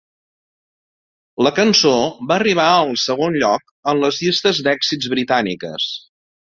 La cançó va arribar al segon lloc en les llistes d'èxits britàniques.